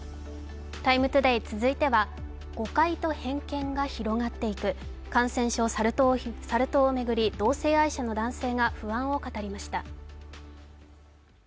「ＴＩＭＥ，ＴＯＤＡＹ」続いては誤解と偏見が広がっていく、感染症・サル痘を巡り、同性愛者の男性が不安を語りました。